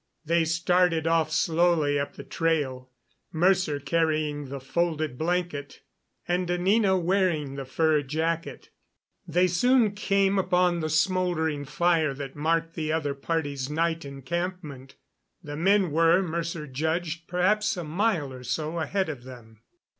They started off slowly up the trail, Mercer carrying the folded blanket, and Anina wearing the fur jacket. They soon came upon the smoldering fire that marked the other party's night encampment. The men were, Mercer judged, perhaps a mile or so ahead of them.